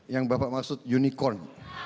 yang bapak maksud unicorn